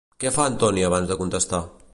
Què fa Antoni abans de contestar?